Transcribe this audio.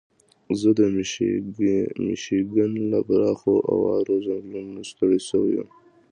زه د میشیګن له پراخو اوارو ځنګلونو ستړی شوی یم.